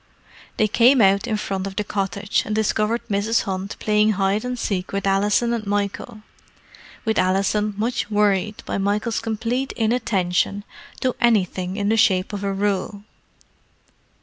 They came out in front of the cottage, and discovered Mrs. Hunt playing hide and seek with Alison and Michael—with Alison much worried by Michael's complete inattention to anything in the shape of a rule.